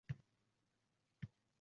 Birov — kasal der edi.